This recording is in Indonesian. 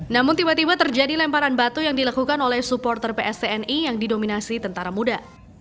namun tiba tiba terjadi lemparan batu yang dilakukan oleh supporter pstni yang didominasi tentara muda